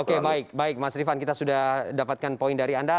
oke baik baik mas rifan kita sudah dapatkan poin dari anda